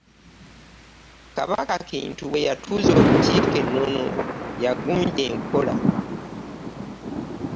Kabaka Kintu bwe yatuuza olukiiko e Nnono, yagunja enkola.